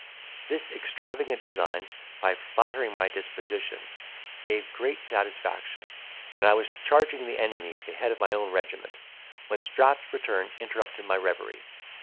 This extravagant design, by flattering my disposition, gave great satisfaction; and I was charging the enemy at the head of my own regiment, when Strap's return interrupted my reverie.